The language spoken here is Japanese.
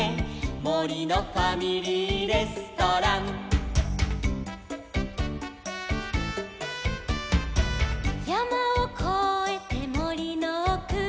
「もりのファミリーレストラン」「やまをこえてもりのおく」